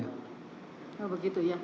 oh begitu ya